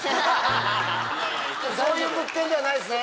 そういう物件ではないですね？